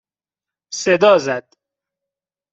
صدا زد